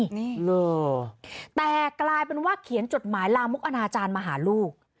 นี่เหรอแต่กลายเป็นว่าเขียนจดหมายลามกอนาจารย์มาหาลูก